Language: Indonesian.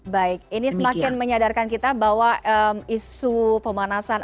baik ini semakin menyadarkan kita bahwa isu pemanasan